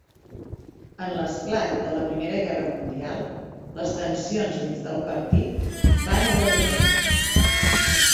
En l'esclat de la primera Guerra Mundial, les tensions dins del partit van agreujat.